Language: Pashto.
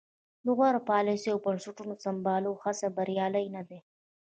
د غوره پالیسیو او بنسټونو سمبالولو هڅې بریالۍ نه دي.